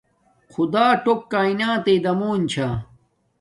خدݳ ٹݸک کݳئنݳتݵئ دمݸن چھݳ.